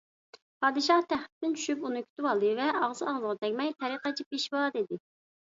پادىشاھ تەختتىن چۈشۈپ ئۇنى كۈتۈۋالدى ۋە ئاغزى - ئاغزىغا تەگمەي: «تەرىقەتچى پېشۋا!» دېدى.